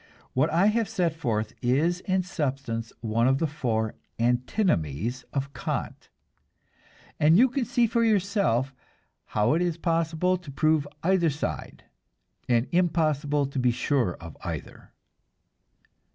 What I have set forth is in substance one of the four "antinomies" of Kant, and you can see for yourself how it is possible to prove either side, and impossible to be sure of either.